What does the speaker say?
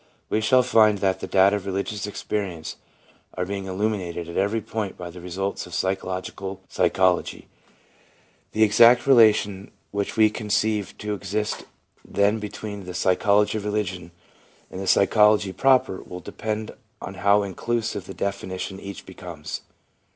We shall find that the data of religious experience are being illuminated at every point by the results of physiological psychology. The exact relation which we conceive to exist then between the psychology of religion and psychology proper will depend on how inclusive the definition of each becomes.